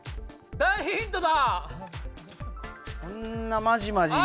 大ヒントだ。